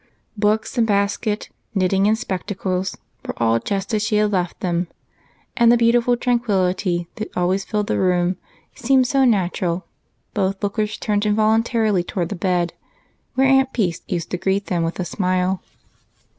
Books and basket, knitting and spectacles, were all just as she had left them, and the beautiful tranquility that always filled the room seemed so natural, both lookers turned involuntarily toward the bed, where Aunt Peace used to greet them with a smile.